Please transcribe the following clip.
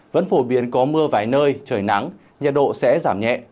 vẫn phổ biến có mưa vài nơi trời nắng nhiệt độ sẽ giảm nhẹ